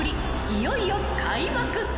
［いよいよ開幕］